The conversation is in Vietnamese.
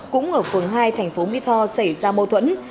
cũng ở phường hai tp mỹ tho xảy ra mâu thuẫn